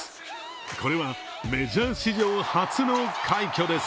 これはメジャー史上初の快挙です